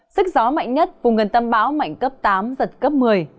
sức gió mạnh nhất vùng gần tâm bão mạnh cấp tám giật cấp một mươi